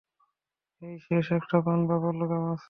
হেই, শেষ একটা প্রাণ বাবল গাম আছে।